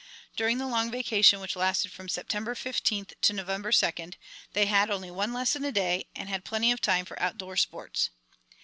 During the long vacation which lasted from September fifteenth to November second they had only one lesson a day and had plenty of time for outdoor sports.